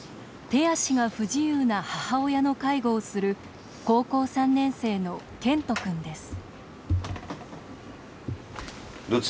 手足が不自由な母親の介護をする高校３年生の健人君です